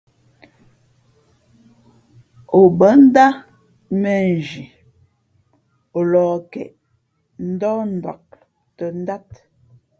Ǒ bά ndát mʉ̄ᾱnzhi o lα̌h keꞌ, ndάh ndak tᾱ ndát.